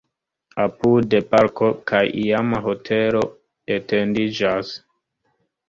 Apude parko kaj iama hotelo etendiĝas.